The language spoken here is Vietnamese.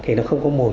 thì nó không có mùi